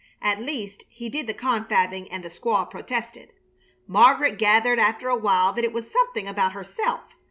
At least, he did the confabbing and the squaw protested. Margaret gathered after a while that it was something about herself.